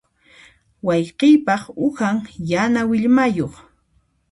Wayqiypaq uhan yana willmayuq.